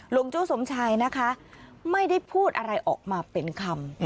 หลวงโจ้สมชายนะคะไม่ได้พูดอะไรออกมาเป็นคำ